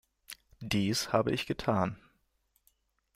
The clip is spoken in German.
Dies habe ich getan.